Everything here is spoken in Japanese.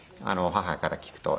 母から聞くと。